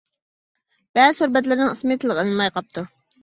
بەزى تور بەتلىرىنىڭ ئىسمى تىلغا ئېلىنماي قاپتۇ.